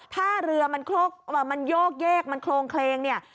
ถ้าเรือมันโยกเยกมันโครงเคลงเนี่ย